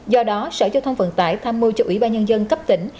do đó sở châu thông phận tải tham mưu cho ủy ba nhân dân cấp tỉnh